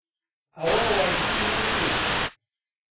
ئەوە واژووی من نییە.